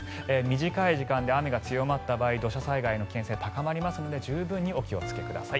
短い時間で雨が強まった場合土砂災害の危険性高まりますので十分にお気をつけください。